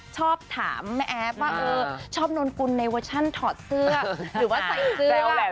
ชอบถามแม่แอฟชอบนนทุนในศัลย์ถอดเสื้อหรือว่าใส่เสื้อ